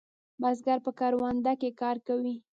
بزگر په کرونده کې کار کوي.